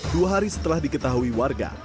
dua hari setelah diketahui warga